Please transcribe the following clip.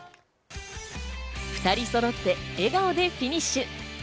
２人そろって笑顔でフィニッシュ！